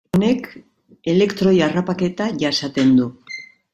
Honek elektroi harrapaketa jasaten du.